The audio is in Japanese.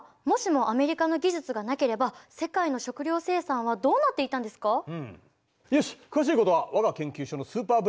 もしもアメリカの技術がなければ世界の食料生産はどうなっていたんですか？